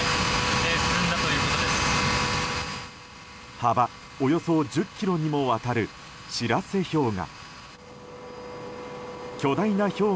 幅およそ１０ｋｍにもわたる白瀬氷河。